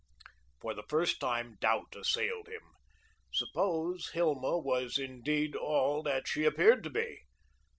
For the first time doubt assailed him. Suppose Hilma was indeed all that she appeared to be.